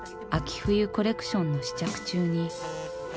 冬コレクションの試着中に。